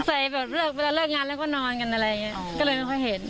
ใส่เหมือนว่าเริ่มเริ่มงานและก็นอนกันอะไรอย่างนี้ก็เลยไม่ค่อยเห็น